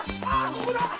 ここだっ！